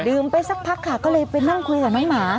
ไปสักพักค่ะก็เลยไปนั่งคุยกับน้องหมา